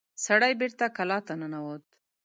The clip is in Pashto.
سړی بېرته کلا ته ننوت.